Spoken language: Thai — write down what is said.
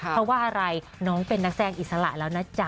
เพราะว่าอะไรน้องเป็นนักแสดงอิสระแล้วนะจ๊ะ